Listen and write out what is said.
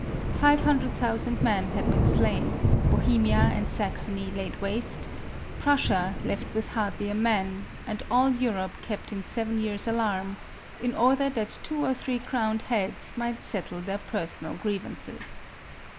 Five hundred thousand men had been slain, Bohemia and Saxony laid waste, Prussia left with hardly a man, and all Europe kept in seven years' alarm, in order that two or three crowned heads might settle their personal grievances.